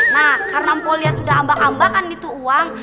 nah karena empo liat udah ambak ambakan itu uang